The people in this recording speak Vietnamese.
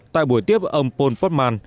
tại buổi tiếp ông paul portman